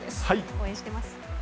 応援してます。